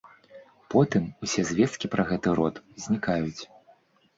Потым усе звесткі пра гэты род знікаюць.